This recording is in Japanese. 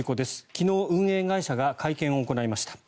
昨日、運営会社が会見を行いました。